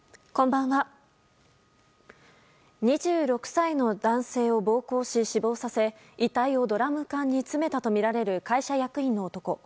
２６歳の男性を暴行し死亡させ遺体をドラム缶に詰めたとみられる会社役員の男。